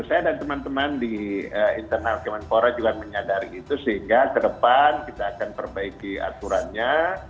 saya dan teman teman di internal kemenpora juga menyadari itu sehingga ke depan kita akan perbaiki aturannya